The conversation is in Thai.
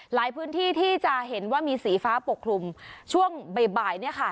พื้นที่ที่จะเห็นว่ามีสีฟ้าปกคลุมช่วงบ่ายเนี่ยค่ะ